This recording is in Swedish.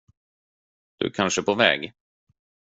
Du är kanske på väg.